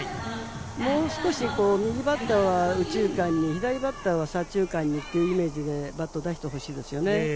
もうちょっと右バッターは右中間へ、左バッターは左中間にっていうイメージでバットを出してほしいですね。